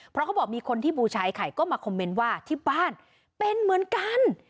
เพราะเขาบอกมีคนที่บูชายไข่ก็มาคอมเมนต์ว่าที่บ้านเป็นเหมือนกัน